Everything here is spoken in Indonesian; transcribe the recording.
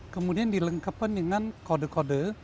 kemudian dilengkapi dengan kode kode